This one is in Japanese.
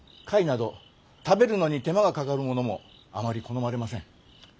貝など食べるのに手間がかかるものもあまり好まれません。